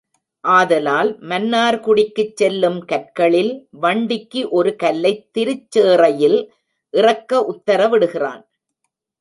ஆதலால் மன்னார்குடிக்குச் செல்லும் கற்களில் வண்டிக்கு ஒரு கல்லைத் திருச் சேறையில் இறக்க உத்தர விடுகிறான்.